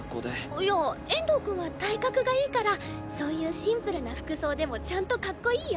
いや遠藤くんは体格がいいからそういうシンプルな服装でもちゃんとかっこいいよ。